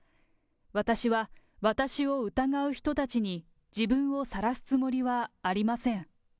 私は、私を疑う人たちに自分をさらすつもりはありません。